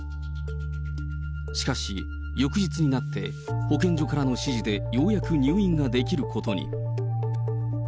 しかし、翌日になって、保健所からの指示でようやく入院ができることに。